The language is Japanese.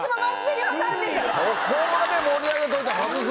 そこまで盛り上げといて外す！